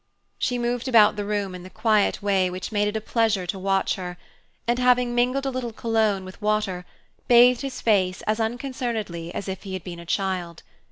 She moved about the room in the quiet way which made it a pleasure to watch her, and, having mingled a little cologne with water, bathed his face as unconcernedly as if he had been a child.